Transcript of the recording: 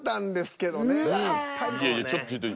いやいやちょっとちょっと。